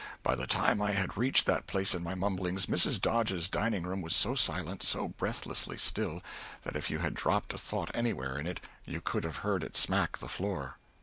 By the time I had reached that place in my mumblings Mrs. Dodge's dining room was so silent, so breathlessly still, that if you had dropped a thought anywhere in it you could have heard it smack the floor.